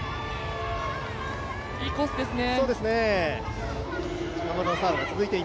いいコースですね。